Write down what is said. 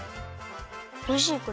おいしいこれ。